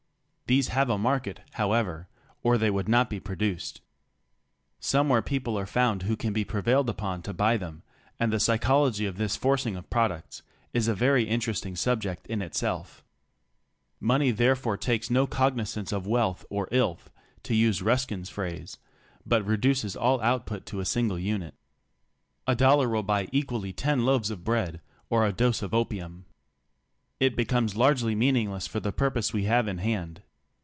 These have a market, however, or they would not be produced. Some where people are found who can be prevailed upon to buy them, and the psychology of this forcing of products is a very interesting subject in itself. Money therefore takes no cognizance of wealth or "illth" (to use Ruskin's phrase), but reduces all output to a single unit. A dollar will buy equally ten loaves of bread or a dose of opium. It becomes largely meaningless for the purpose we have in hand.